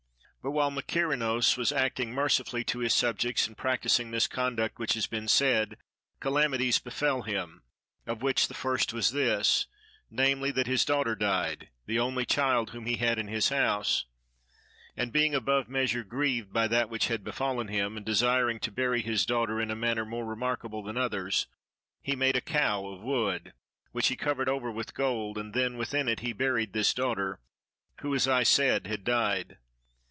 But while Mykerinos was acting mercifully to his subjects and practising this conduct which has been said, calamities befell him, of which the first was this, namely that his daughter died, the only child whom he had in his house: and being above measure grieved by that which had befallen him, and desiring to bury his daughter in a manner more remarkable than others, he made a cow of wood, which he covered over with gold, and then within it he buried this daughter who as I said, had died.